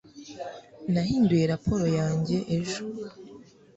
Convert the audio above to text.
nahinduye raporo yanjye ejo